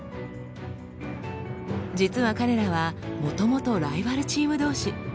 実は彼らはもともとライバルチーム同士。